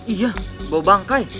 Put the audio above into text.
iya bau bangkai